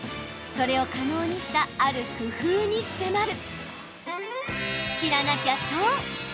それを可能にしたある工夫に迫る！